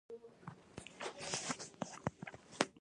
دوی په بهر کې پیسې مصرفوي.